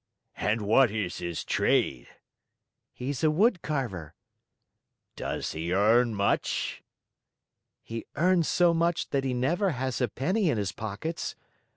"And what is his trade?" "He's a wood carver." "Does he earn much?" "He earns so much that he never has a penny in his pockets.